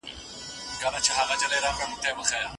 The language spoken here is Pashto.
زوی په هغه بازار کي ساعت خرڅ نه کړ.